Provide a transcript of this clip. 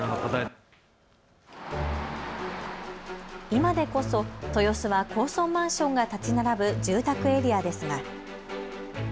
今でこそ豊洲は高層マンションが建ち並ぶ住宅エリアですが。